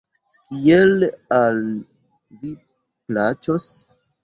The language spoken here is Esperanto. Kiel al vi plaĉos.